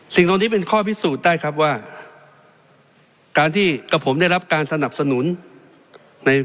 ตรงนี้เป็นข้อพิสูจน์ได้ครับว่าการที่กับผมได้รับการสนับสนุนใน